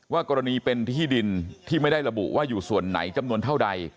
กรณีเป็นที่ดินที่ไม่ได้ระบุว่าอยู่ส่วนไหนจำนวนเท่าใด